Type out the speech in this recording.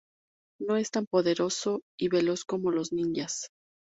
No es tan poderoso y veloz como los ninjas.